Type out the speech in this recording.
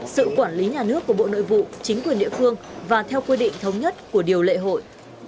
sự quản lý nhà nước của bộ nội vụ chính quyền địa phương và theo quy định thống nhất của điều lệ hội